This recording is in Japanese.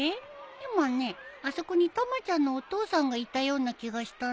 今ねあそこにたまちゃんのお父さんがいたような気がしたんだけど。